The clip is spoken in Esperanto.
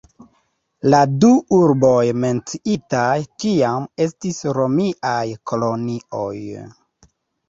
La du urboj menciitaj tiam estis romiaj kolonioj.